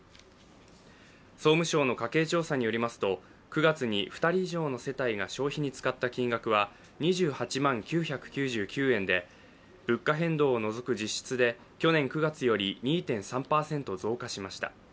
総務省の家計調査によりますと９月に２人以上の世帯が消費に使った金額は２８魔９９９円で物価変動を除く実質で去年９月より２．３％増加しました。